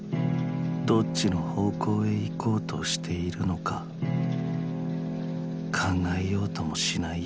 何方の方向へ行かうとしてゐるのか考へやうともしない